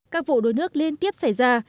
các vụ đuối nước liên tiếp xảy ra